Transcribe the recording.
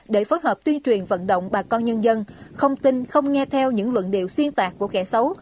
để phối hợp tuyên truyền vận động bà con nhân dân không tin không nghe theo những luận điệu xuyên tạc của kẻ xấu